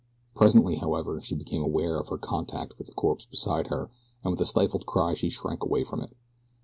Presently, however, she became aware of her contact with the corpse beside her, and with a stifled cry she shrank away from it.